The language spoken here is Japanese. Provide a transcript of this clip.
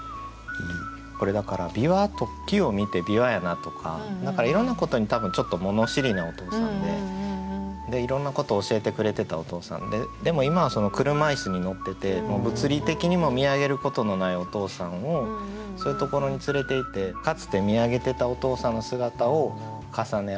これだから木を見て「びわやな」とかいろんなことに多分ちょっと物知りなお父さんでいろんなことを教えてくれてたお父さんででも今は車椅子に乗ってて物理的にも見上げることのないお父さんをそういうところに連れていってかつて見上げてたお父さんの姿を重ね合わせたいんじゃないかなと。